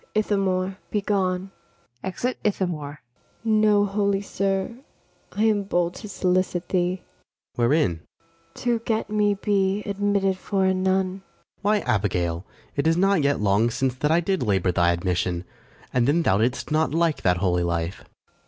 Ithamore, be gone. [Exit ITHAMORE.] Know, holy sir, I am bold to solicit thee. FRIAR JACOMO. Wherein? ABIGAIL. To get me be admitted for a nun. FRIAR JACOMO. Why, Abigail, it is not yet long since That I did labour thy admission, And then thou didst not like that holy life.